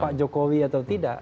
pak jokowi atau tidak